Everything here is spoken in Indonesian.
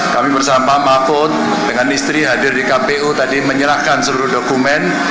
kami bersama mahfud dengan istri hadir di kpu tadi menyerahkan seluruh dokumen